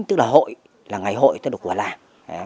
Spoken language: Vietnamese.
tại vì cái đó là ngày hội là ngày hội của làng